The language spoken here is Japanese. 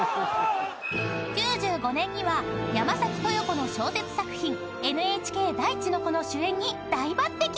［９５年には山崎豊子の小説作品ＮＨＫ『大地の子』の主演に大抜てき］